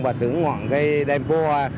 và thưởng ngọn đêm phố hoa